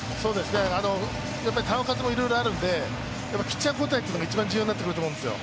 球数もいろいろあるんで、ピッチャー交代が重要になってくると思うんですよ。